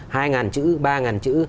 hai ngàn chữ ba ngàn chữ